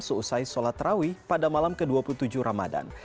selesai solat rawi pada malam ke dua puluh tujuh ramadan